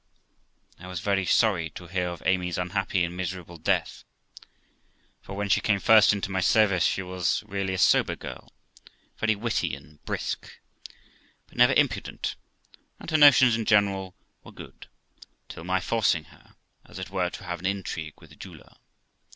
I was very sorry to hear of Amy's unhappy and miserable death; for when she came first into my service she was really a sober girl, very witty and brisk, but never impudent, and her notions in general were good, till my forcing her, as it were, to have an intrigue with the jeweller.